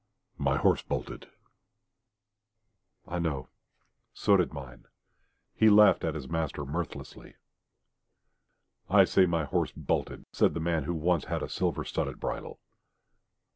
"My horse bolted." "I know. So did mine." He laughed at his master mirthlessly. "I say my horse bolted," said the man who once had a silver studded bridle.